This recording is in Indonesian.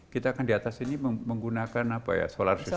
kita kan di atas ini menggunakan apa ya solar juga